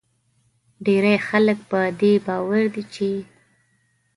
ډیری خلک په دې باور دي چې